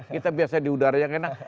kita biasa di udara yang enak